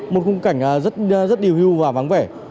một khung cảnh rất điều hưu và vắng vẻ